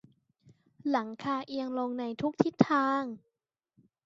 หลังคาเอียงลงในทุกทิศทาง